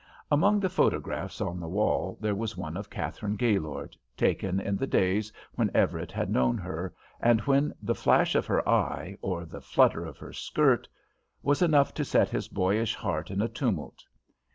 Among the photographs on the wall there was one of Katharine Gaylord, taken in the days when Everett had known her, and when the flash of her eye or the flutter of her skirt was enough to set his boyish heart in a tumult.